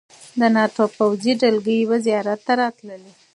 د ناټو پوځي دلګۍ به زیارت ته راتللې.